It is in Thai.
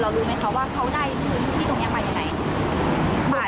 รู้ไหมคะว่าเขาได้พื้นที่ตรงนี้มาจากไหน